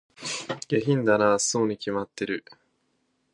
下品だなぁ、そうに決まってる